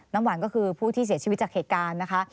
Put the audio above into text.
น้ำหวานก็คือผู้ที่เสียชีวิตจากเหตุการณ์นะคะ